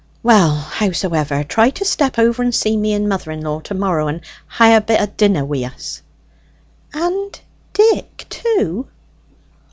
Well, howsoever, try to step over and see me and mother law to morrow, and ha' a bit of dinner wi' us." "And Dick too?"